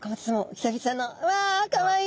久々のうわかわいい。